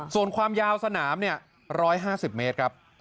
ส่วนความยาวสนาม๑๕๐เมตรครับ